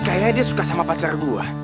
kayaknya dia suka sama pacar gue